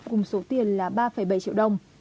cùng số tiền là ba bảy triệu đồng